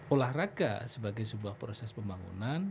olahraga sebagai sebuah proses pembangunan